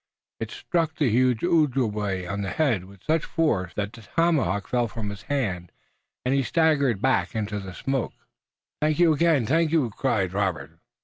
It struck the huge Ojibway on the head with such force that the tomahawk fell from his hand, and he staggered back into the smoke. "Tayoga, again I thank you!" cried Robert.